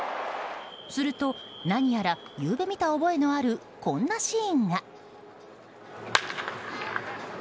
すると、何やら夕べ見た覚えのあるこんなシーンが。